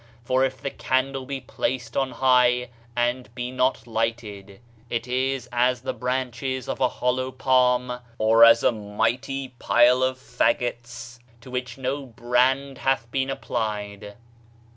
For if the candle be placed on high and be not lighted, it is as the branches of a hollow palm, or as a mighty pile of faggots to which no brand hath been applied.